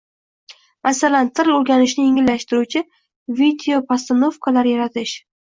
Masalan, til o‘rganishni yengillatuvchi vidoyepostanovkalar yaratish